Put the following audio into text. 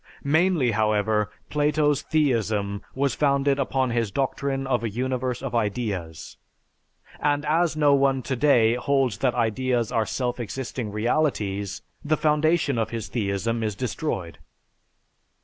Mainly, however, Plato's theism was founded upon his doctrine of a universe of ideas, and as no one today holds that ideas are self existing realities, the foundation of his theism is destroyed.